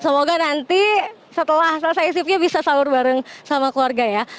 semoga nanti setelah selesai shiftnya bisa sahur bareng sama keluarga ya